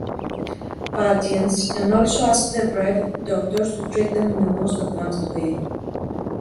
Patients can also ask their private doctors to treat them in the most advanced way.